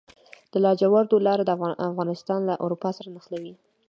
د لاجوردو لاره افغانستان له اروپا سره نښلوي